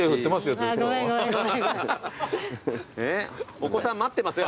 お子さん待ってますよ。